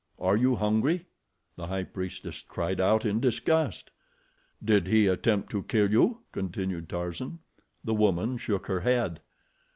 Are you hungry?" The High Priestess cried out in disgust. "Did he attempt to kill you?" continued Tarzan. The woman shook her head.